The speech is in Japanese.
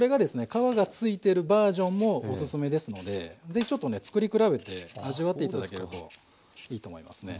皮が付いてるバージョンもおすすめですので是非ちょっとね作り比べて味わって頂けるといいと思いますね。